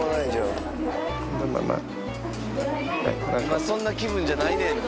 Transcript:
今そんな気分じゃないねん！